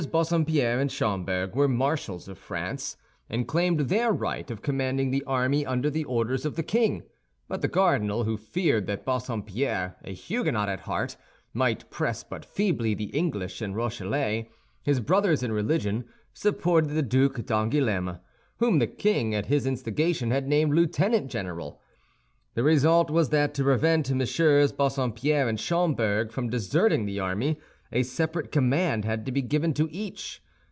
Bassompierre and Schomberg were marshals of France, and claimed their right of commanding the army under the orders of the king; but the cardinal, who feared that Bassompierre, a Huguenot at heart, might press but feebly the English and Rochellais, his brothers in religion, supported the Duc d'Angoulême, whom the king, at his instigation, had named lieutenant general. The result was that to prevent MM. Bassompierre and Schomberg from deserting the army, a separate command had to be given to each.